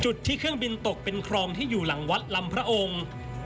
จุดที่เครื่องบินตกเป็นคลองที่อยู่หลังวัดลำพระองค์